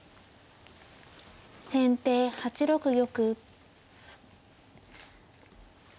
先手８六玉。